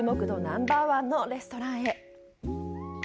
ナンバーワンのレストランへ。